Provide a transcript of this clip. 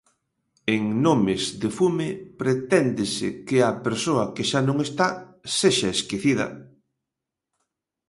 En Nomes de fume preténdese que a persoa que xa non está sexa esquecida.